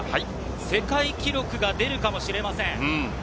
世界記録が出るかもしれません。